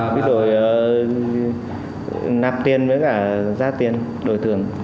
quy đổi nạp tiền với cả ra tiền đổi thường